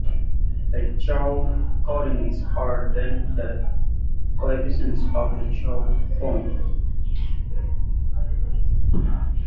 The Chow coordinates are then the coefficients of the Chow form.